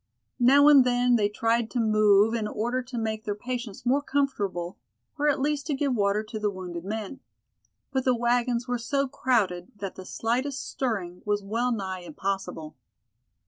Now and then they tried to move in order to make their patients more comfortable or at least to give water to the wounded men. But the wagons were so crowded that the slightest stirring was well nigh impossible.